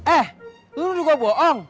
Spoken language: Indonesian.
eh lu juga bohong